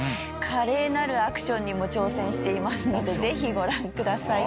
華麗なるアクションにも挑戦していますのでぜひご覧ください。